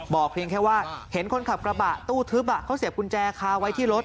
เพียงแค่ว่าเห็นคนขับกระบะตู้ทึบเขาเสียบกุญแจคาไว้ที่รถ